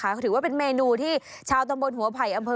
เขาถือว่าเป็นเมนูที่เช้าตำบลหัวไข่